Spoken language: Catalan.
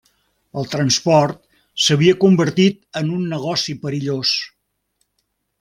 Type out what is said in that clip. El transport s'havia convertit en un negoci perillós.